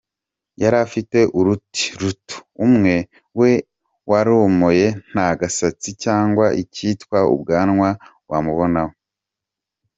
Yari afite uruti ruto, umutwe we warumoye nta gasatsi cyangwa icyitwa ubwanwa wamubonaho.